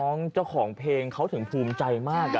เจ้าของเพลงเขาถึงภูมิใจมาก